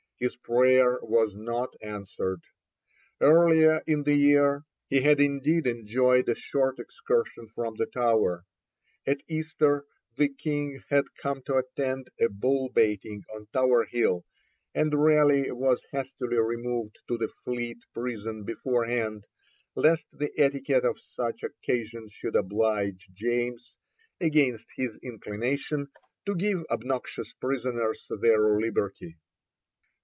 His prayer was not answered. Earlier in the year he had indeed enjoyed a short excursion from the Tower. At Easter the King had come to attend a bull baiting on Tower Hill, and Raleigh was hastily removed to the Fleet prison beforehand, lest the etiquette of such occasions should oblige James, against his inclination, to give obnoxious prisoners their liberty.